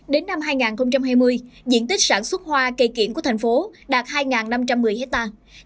đến năm hai nghìn hai mươi diện tích sản xuất hoa cây kiển của thành phố đạt hai năm trăm một mươi hectare